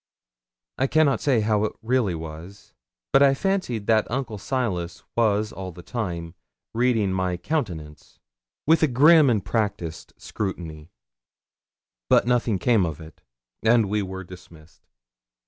I cannot say how it really was, but I fancied that Uncle Silas was all the time reading my countenance, with a grim and practised scrutiny; but nothing came of it, and we were dismissed.